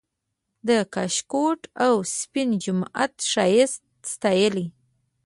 د کاشکوټ او سپین جومات ښایست ستایلی